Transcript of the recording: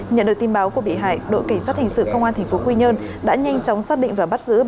nhận được tin báo của bị hại đội cảnh sát hình sự công an tp quy nhơn đã nhanh chóng xác định và bắt giữ